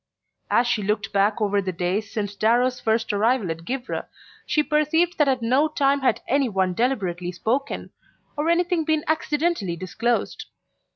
As she looked back over the days since Darrow's first arrival at Givre she perceived that at no time had any one deliberately spoken, or anything been accidentally disclosed.